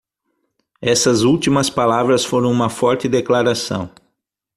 Essas últimas palavras foram uma forte declaração.